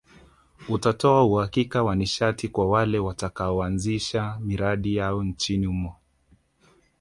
Utatoa uhakika wa nishati kwa wale watakaoanzisha miradi yao nchini humo